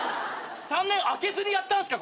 ３年開けずにやったんすか？